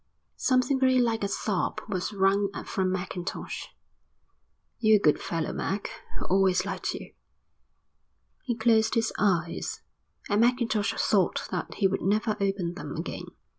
Something very like a sob was wrung from Mackintosh. "You're a good fellow, Mac. I always liked you." He closed his eyes, and Mackintosh thought that he would never open them again.